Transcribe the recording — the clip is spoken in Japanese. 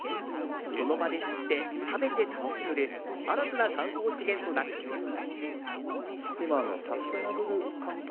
その場で釣って、食べて楽しめる新たな観光資源となっています。